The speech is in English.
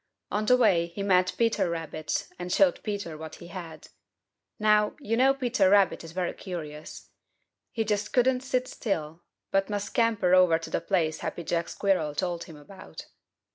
On the way he met Peter Rabbit and showed Peter what he had. Now, you know Peter Rabbit is very curious. He just couldn't sit still, but must scamper over to the place Happy Jack Squirrel told him about.